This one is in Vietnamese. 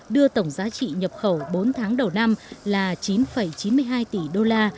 đưa tổng giá trị nhập khẩu bốn tháng đầu năm là chín chín mươi hai tỷ đô la